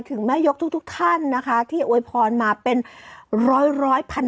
ถึงแม่ยกทุกท่านนะคะที่อวยพรมาเป็นร้อยร้อยพัน